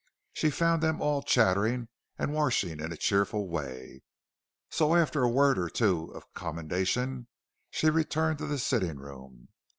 She found them all chattering and washing in a cheerful way, so, after a word or two of commendation, she returned to the sitting room.